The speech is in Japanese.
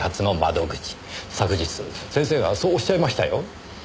昨日先生がそうおっしゃいましたよ。